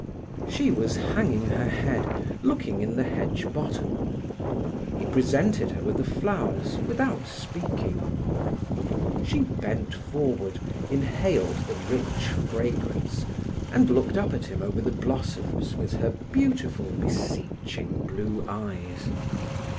She was hanging her head, looking in the hedge bottom. He presented her with the flowers without speaking. She bent forward, inhaled the rich fragrance, and looked up at him over the blossoms with her beautiful, beseeching blue eyes.